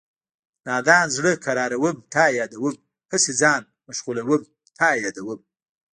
نادان زړه قراروم تا یادوم هسې ځان مشغولوم تا یادوم